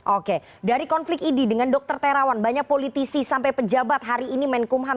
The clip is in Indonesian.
oke dari konflik idi dengan dr terawan banyak politisi sampai pejabat hari ini menkumham